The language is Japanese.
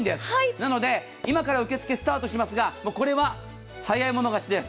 なので、今から受け付けスタートしますが、これは早い者勝ちです。